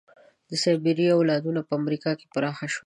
د سایبریا اولادونه په امریکا کې پراخه شول.